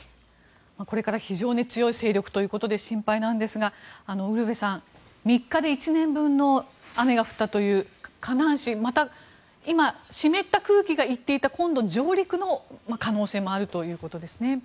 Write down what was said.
これから非常に強い勢力ということで心配なんですが、ウルヴェさん３日で１年分の雨が降ったという河南省、また今湿った空気が行っていた今度は上陸の可能性もあるということですね。